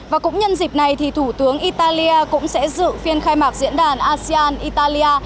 và cũng nhân dịp này thì thủ tướng italia cũng sẽ dự phiên khai mạc diễn đàn asean italia